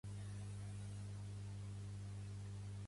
Pertany al moviment independentista l'Anguelines?